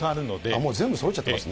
もう全部そろっちゃってます